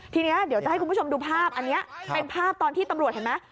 ทีนี้เดี๋ยวจะให้คุณผู้ชมดูภาพอันนี้เป็นภาพตอนที่ตำรวจเห็นไหม